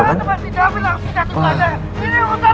kau kan teman si david langsung jatuh keadaan